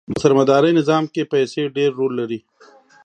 په سرمایه داري نظام کښې پیسې ډېر رول لري.